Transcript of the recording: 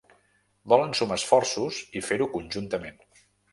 Volen sumar esforços i fer-ho conjuntament.